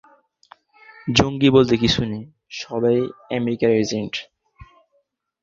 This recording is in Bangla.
এদিকে শহরে একটি জঙ্গি হামলার ঘটনা করে এবং সেই ঘটনার প্রভাব পড়ে তাদের দু’জনের জীবনেও।